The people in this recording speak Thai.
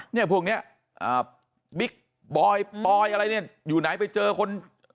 เนี่ยพวกนี้บิ๊กบอยปอยอะไรเนี่ยอยู่ไหนไปเจอคน